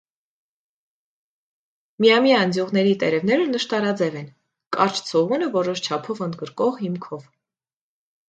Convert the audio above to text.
Միամյա ընձյուղների տերևները նշտարաձև են, կարճ ցողունը որոշ չափով ընդգրկող հիմքով։